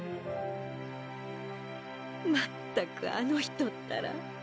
まったくあのひとったら。